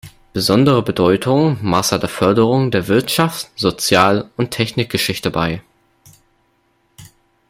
Besondere Bedeutung maß er der Förderung der Wirtschafts-, Sozial- und Technikgeschichte bei.